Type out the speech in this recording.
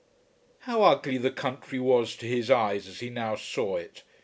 How ugly the country was to his eyes as he now saw it.